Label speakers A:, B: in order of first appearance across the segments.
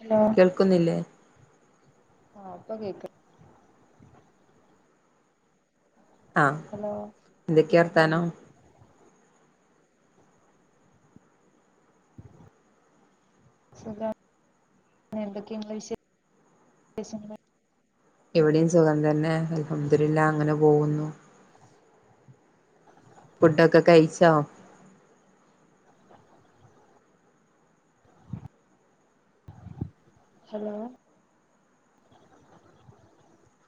A: Hello
B: കേൾക്കുന്നില്ലേ
A: ആ പ്പൊ കേക്
B: ആഹ്
A: ഹലോ
B: എന്തൊക്കെയ
A: പിന്നെ
B: അർഥാനോ
A: സുഖ എന്തൊക്കെയങ്ങളെ വിശേഷങ്ങൾ
B: ഇവിടെയും സുഖം തന്നെ അൽഹംദുലില്ല അങ്ങനെ പോഉന്നു ഫുഡൊക്കെ കഴിച്ചോ
A: ഹലോ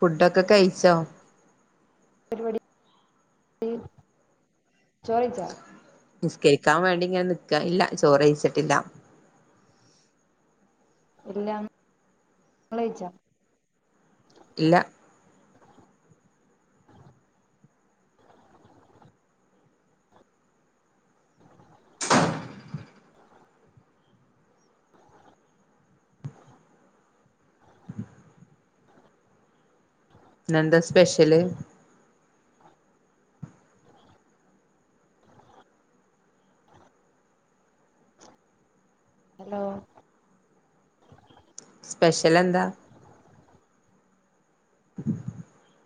B: ഫുഡൊക്കെ കഴിച്ചോ
A: ചോറിച്ചാ
B: നിസ്കരിക്കാൻ വേണ്ടി ഇങ്ങനെ നിക്ക ഇല്ല ചോറേയ്ച്ചിട്ടില്ല
A: ഇല്ല ങ്ങെളെയ്ച്ച
B: ഇല്ല ഇന്നെന്താ സ്പെഷ്യല്
A: ഹലോ
B: സ്പെഷ്യൽ എന്താ [inaudible]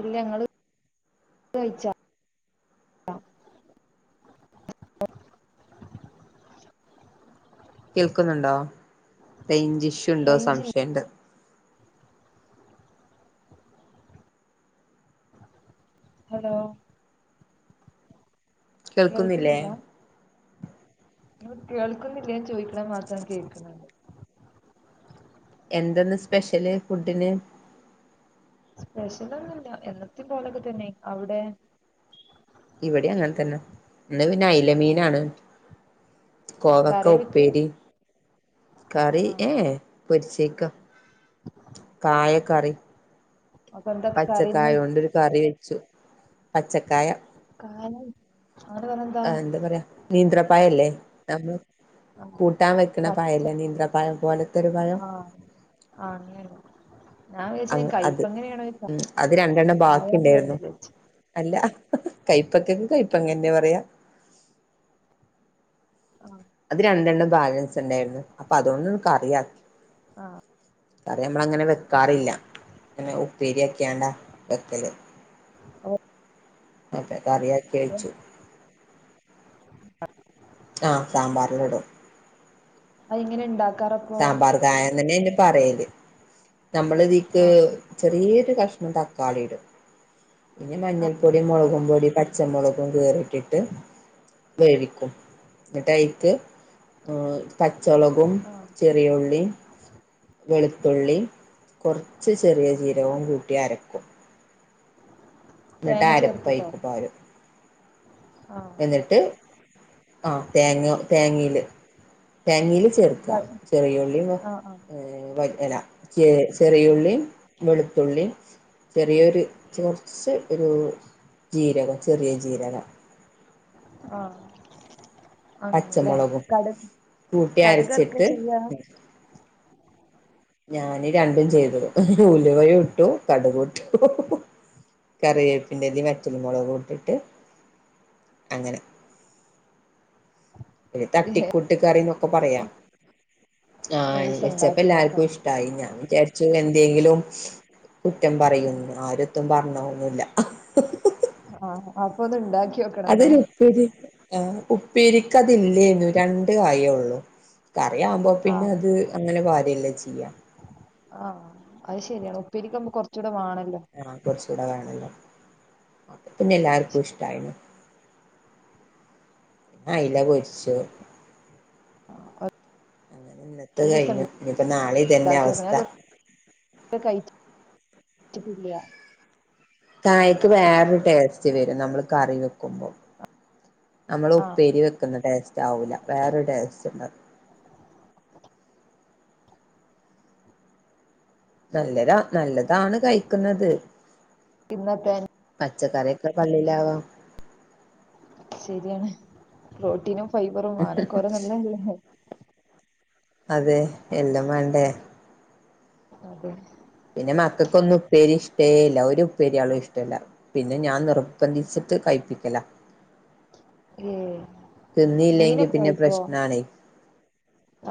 A: ഇല്ല ങ്ങ കഴ [inaudible]
B: കേൾക്കുന്നുണ്ടോ ലഞ്ചിഷുണ്ടോ
A: റേഞ്ചില്ലേ
B: സംശയുണ്ട്
A: ഹലോ
B: കേൾക്കുന്നില്ലേ
A: കേൾക്കുന്നില്ല ഞാൻ ചോദിക്കണ മാത്രം കേൾക്കണുന്നത്
B: എന്തന്ന് സ്പെഷ്യല് ഫുഡിന്
A: സ്പെഷ്യലൊന്നുമല്ല എന്നത്തി പോലൊക്കെ തന്നെ അവിടെ
B: ഇവിടെ അങ്ങനെ തന്നെ ഇന്ന് പിന്നെ അലമീനാണ് കോവക്ക
A: കറിയാ വെച്ചേ
B: ഉപ്പേരി കറി
A: ആഹ്
B: ഏ പരി ചക്ക കായക്കറി
A: അപ്പൊ എന്താ
B: പച്ചക്കായ
A: കറിയിന്ന്
B: കൊണ്ട് ഒരു കറി വെച്ചു പച്ചക്കായ
A: ആ
B: ആ എന്താ പറയാ നീന്ത്രപ്പായല്ലേ നമ്മള്
A: ആഹ്
B: കൂട്ടാൻ വെക്കണ
A: പച്ച
B: പഴയല്ലേ നീന്ത്ര പഴം പോലത്തരു പയം
A: ആ
B: അ അത് ഉ അത് രണ്ടെണ്ണം ബാക്കി
A: ചായാന്ന് പറയണ
B: ഉണ്ടായിരുന്നു
A: വിചാരിച്ചു
B: അല്ല കയ്പക്കക്കെ കയ്പ്പങ്ങന്നെ പറയാ
A: ആഹ
B: അത് രണ്ടെണ്ണം ബാലൻസ് ഉണ്ടായിരുന്നു അപ്പൊ അതുകൊണ്ട് നിക്ക് അറിയാക്കി
A: ആഹ
B: കറ നമ്മള അങ്ങനെ വെക്കാറില്ല പിങ്ങനെ ഉപ്പേരി ഒക്കെയാണ്ടാ വെക്കല്
A: ഓ
B: അതെ കറിയാക്കി കഴിച്ചു ആഹ സാമ്പാറില ഇടും
A: അ ഇങ്ങനെ ഉണ്ടാക്ക
B: സാമ്പാർ കായന്ന്ന്നെ എന്റെ പറയല് നമ്മള്തിക്ക്
A: ആഹ്
B: ചെറിയൊരു കഷ തക്കാളി ഇടും പിന്നെ മഞ്ഞൾ പൊടി മുളകും പൊടി പച്ചമുളും ക ് വേവിക്കും എന്നിട്ട്യിക്ക് ആർ പച്ചളകും
A: ആഹ്
B: ഉള്ളി വെളുത്തുള്ളി കുറച്ച് ചെറിയ ജീരവും കൂട്ടി അരക്കും എന്നിട്ട്
A: തേങ്ങ
B: അരപ്പൈക്ക്
A: ചേർത്തിട്ടോ
B: പോര
A: ആഹ്
B: എന്നിട്ട് ആ തേങ്ങ തേങ്ങയില് തങ്ങൽ ചേർക്കാ
A: ആഹ്
B: ചെറിയ ഉള്ളിയും
A: ആഹ്
B: ഏർ വന ച ചെറിയുള്ളിയും വെളുത്തുള്ളി ചെറിയൊരു കുറച്ച് ഒരു ജീരകം ചെറിയ ജീരകം
A: ആഹ ആല്ലേ
B: പച്ചമുളകും
A: കടക്
B: കൂട്ടി
A: കടുകർക്കെ
B: അരച്ചിട്ട്
A: ചെയ്യാ [inaudible]
B: ഞാന രണ്ടും ചെയ്തത് ഉലുവ ഇട്ടു കടക് ഇട്ടു കറിവേപ്പിന്റെതി മറ്റല മുളക് ഇട്ടിട്ട് അങ്ങനെ ഒരു തട്ടിക്കൂട്ട് കറിന്നൊക്കെ പറയാം ആഹ്
A: ഒരീസം
B: എപ്പ
A: ഇണ്ടാക്കി
B: എല്ലാർക്കും
A: നോക്കണം
B: ഇഷ്ടമായി ഞാൻ വിചാരിച്ചു എന്തെങ്കിലും കുറ്റം പറയുന്നു ആരൊത്തും പറഞ്ഞമന്നില്ല
A: ആഹ അപ്പൊ അത് ഇണ്ടാക്കി നോക്കണം എന്നാ
B: അതൊരു ഉപ്പി ഉപ്പിരിക്കതില്ലേു രണ്ട കായയേ ഉള്ളു കറിയാവവുമ്പോ പിന്നെ
A: ആഹ്
B: അത് അങ്ങനെ പരല്ലേ ചെയ്യാ
A: ആഹ് അത് ശരിയാണ് ഉപ്പഇരിക്കുമ്പോ കുറച്ചുകൂടെ വേണല്ല
B: ആ കുറച്ച കൂടെ വെണല്ലോ പിന്നെ എല്ലാർക്കും ഇഷ്ടായിണ് പി അയില പൊരിച്ചു
A: ഒരു
B: അങ്ങനെ ഇന്നത്തെ
A: ദിവസം
B: കഴിഞ്ഞു ഇനിപ്പോ നാളെ ഇതന്നെ അവസ്ഥ
A: കിില്ല [unintelligible]
B: തായക്ക് വേറൊരു ടേസ്റ്റ് വരും നമ്മള് കറി വെക്കുമ്പോം നമ്മള്
A: ആഹ്
B: ഉപ്പേരി വെക്കുന്ന ടേസ്റ്റ് ആവില്ല വേറൊരു ടേസ്റ്റ് ഉണ്ട നല്ലത നല്ലതാണ് കഴിക്കുന്നത്
A: തിന്നപ്പ
B: പച്ചക്കറിയൊക്കെ പള്ളയിലാവാ
A: ശരിയാണ് പ്രോട്ടീനും ഫൈബറും ആനക്കോ ര നല്ലല്ലേ
B: അതെ എല്ലാം വേണ്ടേ
A: അതെ
B: പിന്നെ മക്കൾക്ക്ന്നും ഉപ്പേരി ഇഷ്ടേല്ല ഒരു ഉപ്പേരിയാളും ഇഷ്ടമല്ല പിന്നെ ഞാൻ നിർബന്ധിച്ച് ട്ട്. കഴപ്പിക്കലാ
A: ഏ
B: തിന്നില്ലെങ്കി
A: മീനൊക്കെ
B: പിന്നെ
A: കഴിക്കോ
B: പ്രശ്നാണ്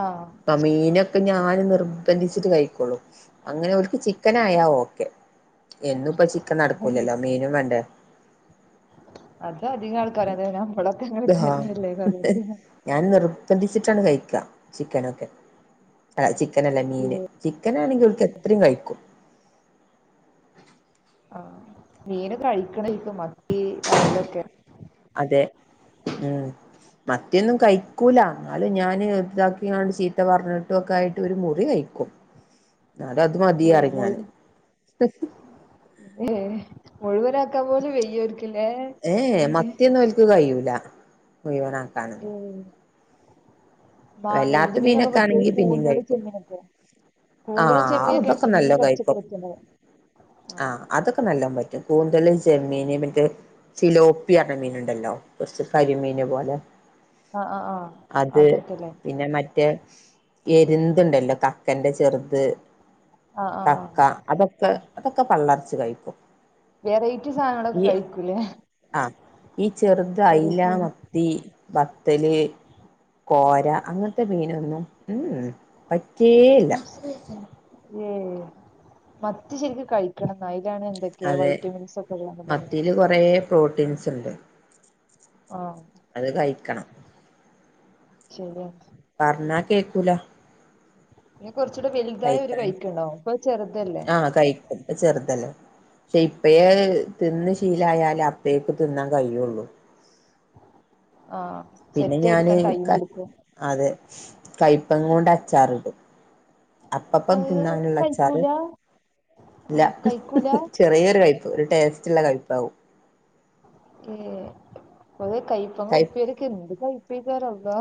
A: ആഹ്
B: അ മീനൊക്കെ ഞാന് നിർബന്ധിച്ചിട്ട് കഴിക്കോള്ളൂ അങ്ങനെ ഓല്ക്ക് ചിക്കൻ ആയാൽ ഓക്കെ എന്നും ഇപ്പ ചിക്കൻ നടക്കൂലല്ലോ മീനും വേണ്ട
A: അത് അധികം ആൾക്കാരെന്ത ഞമ്പളത്തെങ്ങനെല്ലേ കഴിക്ക
B: നിർബന്ധിച്ചിട്ട കഴിക്ക ചിക്കനൊക്ക ചിക്കനല്ല മീൻ ചിക്കൻ ആണെങ്കിൽ അവൾക്ക് എത്രയും കഴിക്കും
A: മീന് കഴിക്കണരിക്കും മത്തി അയലൊക്കെ
B: അതെ ഉം മത്തിയൊന്നും കഴിക്കൂല എന്നാലും ഞാന് ഇതാക്കിയണ്ട് ചീത്ത പറഞ്ഞിട്ടും ഒക്കെ ആയിട്ട് ഒരു മുറി കഴിക്കും എന്നാല അത്
A: ഏ
B: മതിയറിഞാന്
A: മുഴു ഏ മുഴുവനക്കാൻ പോലും വെ്യർക്കില്ലേ മീൻ
B: ല്ല മുഴവന ആാക്കാന്
A: ഏ മാ എന്ത്
B: അല്ലാത്ത
A: മീനപ്പൊ
B: മീനൊക്കെ
A: പറ്റാ ഈ
B: ആണെങ്കി പിന്നിം
A: കൂന്തള്
B: കഴിക്കും
A: ചെമ്മീനൊക്കെ കൂന്തളും
B: ആഹ
A: ചെമ്മീനൊക്കെ
B: അതൊക്കെ
A: പിന്നിം
B: നല്ലോ
A: കൊറച്ചൊക്കെ
B: കഴിക്കും
A: പറ്റുന്നത് ആഹ്
B: ആഹ അതൊക്കെ നല്ലോൻ പറ്റും കൂന്തള് ജെമ്മീന് മറ്റേ ഫിലോപ്പി പറഞ്ഞ മീന ഉണ്ടല്ലോ കുറച്ച് കരിമീന് പോലെ
A: ആഹ ആഹ് ആഹ്
B: അത്
A: അതൊക്കെ
B: പിന്നെ മറ്റേ എരുതുണ്ടല്ലോ കക്കന്റെ ചെറുത്
A: ആഹ് ആഹ് ആഹ്
B: കക്ക അതൊക്കെ അതൊക്കെ പള്ളറച്ചു കഴിക്കും
A: വെറൈറ്റീ സാധനങ്ങള്ക്കെ
B: ഈ
A: കഴിക്കൂലേ
B: ആഹ് ഈ ചെറുത് അയല
A: വെറൈറ്റി
B: മത്തി ബത്തല് കോര അങ്ങനത്തെ മീനൊന്നും ഉ ഉം പറ്റേയില്ല
A: മത്തി ശരിക്ക് കഴിക്കണം എന്നായി എന്തൊക്കെയ
B: അതെ
A: വൈറ്റമിൻസ് ഒക്കെ പറഞ്ഞത്
B: ൻസ് ഉണ്ട്
A: ആഹ
B: അത് കഴിക്കണം
A: ശരിയാണ്
B: പറഞ്ഞാ കേക്കൂല
A: പിന്നെ കുറച്ചൂടെ വലുതായ ഒരു
B: കഴിക്കാൻ
A: കഴിക്കണ്ടാവും ഇപ്പൊ ചെറുതല്ലേ
B: ആഹ കഴിക്കൻ ചെറുതല്ലേ പക്ഷെ ഇപ്പയേ തിന്ന് ശീലായാലേ അപ്പേക്ക തിന്നാൻ കഴിയുള്ളു
A: ആഹ്
B: പിന്നെ
A: സെറ്റ്
B: ഞാാന്
A: എടുക്കാൻ ടൈം
B: ക
A: എടുക്കും
B: അതെ കയ്പങ്ങാ കൊണ്ട് അച്ചാറിടും അപ്പപ്പ
A: അത്
B: തിന്നാനള്ള അച്ചാറ്
A: കഴിക്കൂല
B: ഇല്ല
A: ആഹ് കഴിക്കൂല
B: ചെറിയൊരു കഴിപ്പ് ഒരു ടേസ്റ്റ്ള്ള കഴിപ്പാവും
A: ഏ അത കഴപ്പങ്ങ
B: കൈ
A: ഉപ്പിരക്ക എന്ത് കഴപ്പ തറ അവവാ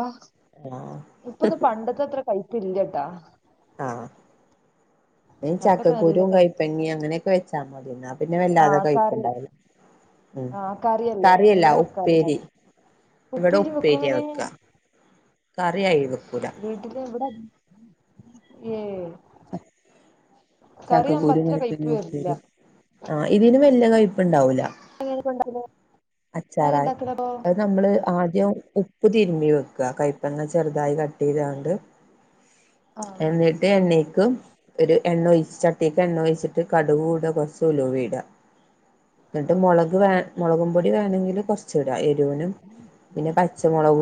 B: ആഹ്
A: ഇപ്പൊ ഇന്ന് പണ്ടത്തെ അത്ര കഴപ്പ ഇല്ലട്ടാ
B: ആഹ
A: പണ്ടൊക്കെ നല്ല
B: ചക്കക്കുരുും
A: കൈപ്പ്
B: കൈപ്പങ്ങിയ അങ്ങനെയൊക്കെ വെച്ചാൽ മതിന്ന പിന്നെ വല്ലാതെ
A: ആഹ്
B: കഴപ്പ
A: കറി
B: ഇണ്ടാവല്ല ഉ
A: ആഹ് കറിയല്ലേ
B: കറല്ല
A: ഇവിടെ
B: ഉപ്പേരി
A: വെക്കാറുണ്ടായിരുന്നു
B: ഇവിടെ
A: ഉപ്പേരി വെക്കും
B: ഉപ്പേരിയാ
A: ഇങ്ങനെ
B: വെക്ക കറിയ ഇത്പ്പൂര
A: ഏ
B: ചക്കക്കൂരു
A: അത്ര കയ്പ്പ്
B: നേരത്തന്നെ
A: വരില്ല
B: ഒപ്പ ആഹ ഇതിന് വല്ല കയപ്പ്ണ്ടാവൂല
A: എങ്ങനെ കൊണ്ട
B: അച്ചാറായി അത് നമ്മള് ആദ്യ ഉപ്പ് തിരുമ്പി വെക്കുക കൈപ്പങ്ങാ ചെറുതായി കട്ട് ചെയ്തൊണ്ട്
A: ആഹ്
B: എന്നിട്ട് എണ്ണക്ക് ഒരു എണ്ണ ഒഴിച്ചട്ട എണ്ണ ഒഴിച്ചിട്ട് കടുുക കൂട കുറച്ചല വീട എന്നിട്ട്
A: ആഹ്
B: മുളക് മുളക പൊടി വേണെങ്കിൽ കുറച്ചട ന പിന്നെ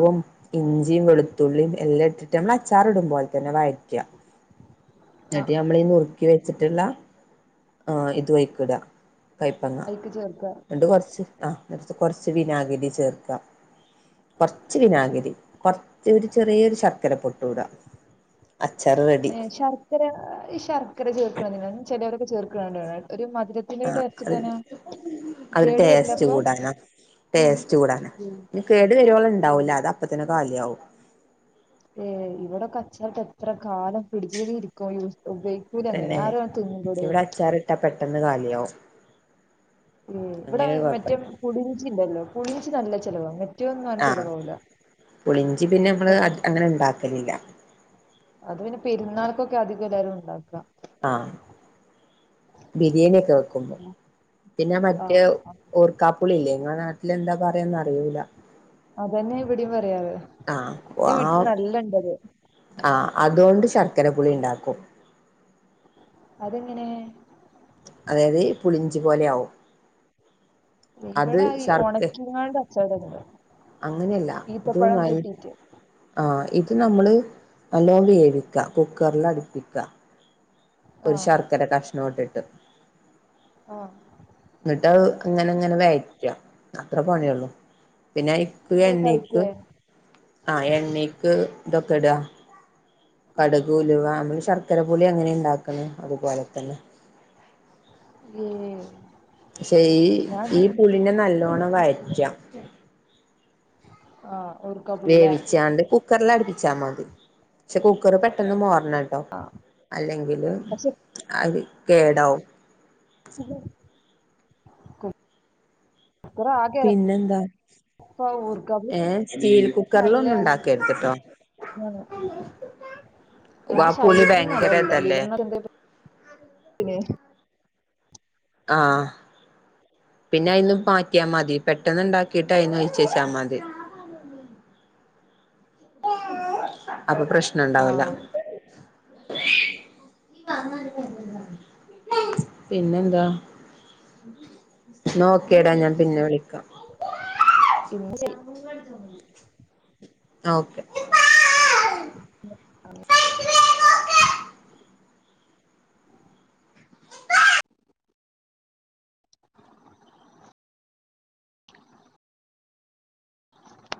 A: ആഹ്
B: ഇച വെളുള്ളല്ലാം നമ്മൾ അച്ചാർ ഇടും പോലെ തന്നെ വരക്കുക
A: ആഹ്
B: എന്നിട്ട്
A: ആഹ്
B: നമ്മളീഈ നുറുക്കി വെച്ചിട്ടുള്ള ആഹ് ഇത് വൈക്കട കയപ്പങ്ങ
A: അയിക്ക് ചേർക്ക
B: ഉണ്ട് കൊറച്ച് നേത്ത് കൊറച്ച് വിനാഗിരി ചേർക്കാം കുറച്ച വിനാഗിരി കുറച്ച് ഒരു ചെറിയൊരു ശർക്കര പൊട്ടൂടാം
A: ശർക്കര ഈ ശർക്കര ചേർക്ക ചെിലവരൊക്കെ ചേർക്കണണ്ട ഒരു ഇത്തില അരച്ചി തനാ
B: അവര് ടേസ്റ്റ് കൂടാന ടേസ്റ്റ് കൂടാണ്
A: ഉം
B: ഇ കേട് വരുവള ഉണ്ടാവൂല
A: ഉം
B: അത് അപ്പത്തന്നെ കാലിയ ആവും
A: ഏ ഇവിടെക്കെ അച്ചറിട്ട് എത്ര കാലം പിടിച്ചക്കെ ഇരിക്കുവ ഉപയോഗിക്കൂല അങ്ങനെ
B: പിന്നെ
A: ആരോ തിുന്നിിക്കട
B: ഇവിടെ അച്ചാറിട്ടാ പെട്ടെന്ന് കാലിയവും
A: ഇവിടെ മറ്റും പുളിഞ്ചി ഇണ്ടല്ലോ പുളിഞ്ച്ി നല്ല ചെിലവാാണ് മെറ്റന്നുംൻ
B: ആഹ്
A: ചെിലവവില്ല
B: പുളിഞ്ചി പിന്നെ നമ്മള് അങ്ങനെ ഉണ്ടാക്കലില്ല
A: അത് പിന്നെ പെരുന്നാൾക്കൊക്കെ അധികം എല്ലാരും ണ്ടാക്കാ
B: ആഹഹ് ബിരിയാണി ഒക്കെ വെക്കുമ്പോ പിന്നെ മറ്റേ
A: ആഹ്
B: ഓർക്കാപ്പുളില്ലേങ്ങള ഇല്ല എന്താ പറയന്ന് അറിിയൂല
A: അതന്നെ ഇവിടെയും പറയാർ ഇൻറെ വീട്ടിൽ നല്ല ഇണ്ടത്
B: അതുണ്ട് ശർക്കര പുളി ണ്ടാക്കും
A: അതെങ്ങനെ
B: അതായത് പുളിഞ്ചി പോലെ ആവും അത്
A: ഇവിടെ ഈ
B: ശർക്ക
A: ഒണക്കിങ്ങാണ്ട് അച്ചാറടല്
B: അങ്ങനെയല്ല ഇത് വൽ ആഹ ഇത് നമ്മള് നല്ലോണം വേവിക്ക കുക്കറ അട് പ്പിക്ക ഒരു
A: ആഹ്
B: ശർക്കര കഷ്ണോട്ടിട്ട്
A: ആഹ്
B: ട്ട്അഹ് ങ്ങനെ ങ്ങനെ വയറ്റ അത്ര പണിള്ളു പിന്നെ അഐക്ക്
A: എന്താ
B: എണ്ണീക്ക്
A: കഴിക്കേ
B: ആഹ എണ്ണക്ക് ഇതൊക്കെ ഇട കടക് ഉലുവ നമ്മള് ശർക്കര പുളി ങ്ങനെ ണ്ടാക്കണ അതുപോലെ തന്നെ
A: ഏഹ്
B: പക്ഷെ ഈ ഈ പുളിനെ നല്ലോണ്ണം വയറ്റ
A: ആഹ
B: വേവിച്ചാണ്ട് കുക്കറൽ അടുപ്പിച്ചാൽ മതി ക്ഷെ കുക്കർ പെട്ടെന്ന് മോറ ണ ട്ടോ
A: ആഹ്
B: അല്ലെങ്കില്
A: പക്ഷെ
B: അ കേടാവ
A: [unintelligible] ആകെ
B: പിന്നെന്താ
A: എരപ്പാ ഊർക്കാപ്പുളി
B: ഏർ സ്റ്റീൽ കുക്കറിലൊ ന്നും ണ്ടാ ക്കേർത് ട്ടോ
A: ഉഹ
B: ആ
A: നമ്മള്
B: പുളി
A: ശരീരത്തി നൊന്നും
B: ഭയങ്കര
A: നല്ലേല്ല
B: ഇതല്ലേ
A: ലീവർനക്കന്തേ [unintelligible]
B: ആഹ പിന്നെ അയിന്ന മാറ്റിയാ മതി പെട്ടന്ന് ഉണ്ടാക്കിട്ട്യിന്ന് ഒഴിച്ചേച്ച മതി
A: [unintelligible]
B: [inaudible] അപ്പൊ പ്രശ്നുണ്ടാവൂല [inaudible]
A: ആഹ്
B: നീ വന്ന പിന്നെ എന്താ നോക്കിയടാ ഞാൻ പിന്നെ വിളിക്കാം
A: ഇന്നാ ശരി
B: ഓക്കെ
A: അതെ [inaudible]